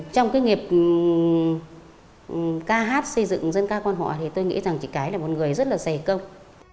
trong cái nghiệp ca hát xây dựng dân ca quan họ thì tôi nghĩ rằng chị cái là một người rất là dày công